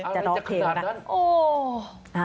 จะดอกเพลกนะ